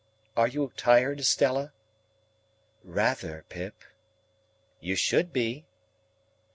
"Are you tired, Estella?" "Rather, Pip." "You should be."